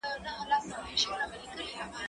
زه له سهاره د زده کړو تمرين کوم